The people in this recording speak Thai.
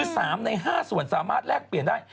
๓ใน๕ส่วนสามารถแลกเปลี่ยนได้